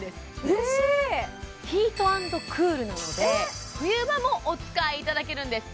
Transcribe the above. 嬉しいなので冬場もお使いいただけるんです